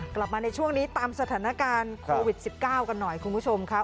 กลับมาในช่วงนี้ตามสถานการณ์โควิด๑๙กันหน่อยคุณผู้ชมครับ